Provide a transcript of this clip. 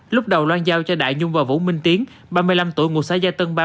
lúc đầu loan giao cho đại nhung và vũ minh tiến ba mươi năm tuổi ngụ xã gia tân ba